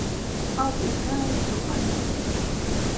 Az yetmez, çok artmaz!